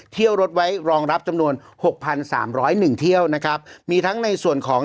เที่ยวรถไว้รองรับจำนวนหกพันสามร้อยหนึ่งเที่ยวนะครับมีทั้งในส่วนของ